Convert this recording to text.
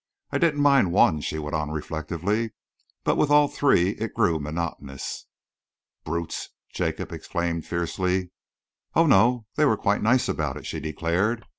I didn't mind one," she went on reflectively, "but with all three it grew monotonous." "Brutes!" Jacob exclaimed fiercely. "Oh, no, they were quite nice about it," she declared.